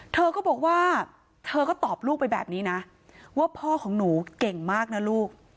เธอก็บอกว่าเธอก็ตอบลูกไปแบบนี้นะว่าพ่อของหนูเก่งมากนะลูก